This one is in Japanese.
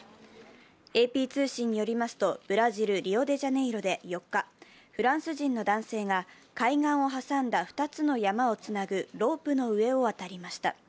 ＡＰ通信によりますと、ブラジルリオデジャネイロで４日フランス人の男性が海岸を挟んだ２つの山をつなぐロープの上を渡りました。